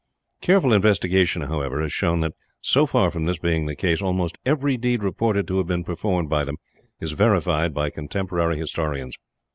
Careful investigation, however, has shown that so far from this being the case, almost every deed reported to have been performed by them is verified by contemporary historians.